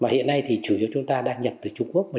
hiện nay chúng ta đang nhập từ châu âu